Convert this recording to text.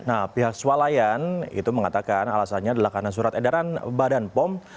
nah pihak swalayan itu mengatakan alasannya adalah karena surat edaran badan pom